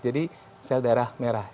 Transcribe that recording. jadi sel darah merah